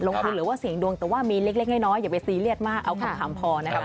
หรือว่าเสี่ยงดวงแต่ว่ามีเล็กน้อยอย่าไปซีเรียสมากเอาคำถามพอนะครับ